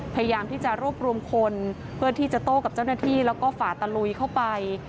พยายามที่จะรวบรวมคนเพื่อที่จะโต้กับเจ้าหน้าที่แล้วก็ฝ่าตะลุยเข้าไป